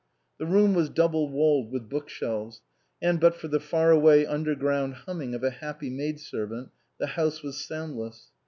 The room was double walled with book shelves, and but for the far away underground humming of a happy maidservant the house was soundless.